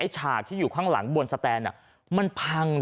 การทำเร็วสัพกัน